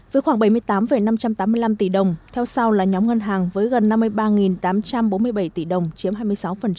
với khoảng bảy mươi tám năm trăm tám mươi năm tỷ đồng theo sau là nhóm ngân hàng với gần năm mươi ba tám trăm bốn mươi bảy tỷ đồng chiếm hai mươi sáu